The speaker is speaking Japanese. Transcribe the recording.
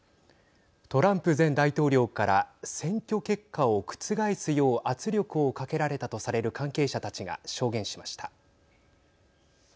トランプ前大統領から選挙結果を覆すよう圧力をかけられたとされる関係者たちが証言しました。